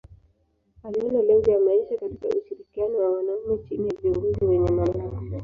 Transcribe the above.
Aliona lengo ya maisha katika ushirikiano wa wanaume chini ya viongozi wenye mamlaka.